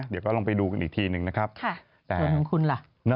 ส่วนของคุณล่ะ